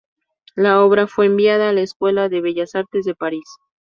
La obra fue enviada a la escuela de Bellas Artes de París.